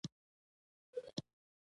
ذهنیت بدلون د فشار اغېزې کموي.